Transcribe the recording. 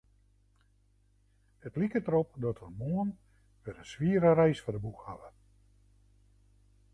It liket derop dat wy moarn wer in swiere reis foar de boech hawwe.